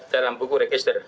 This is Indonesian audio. dalam buku register